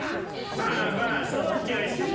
まあまあ村長さん。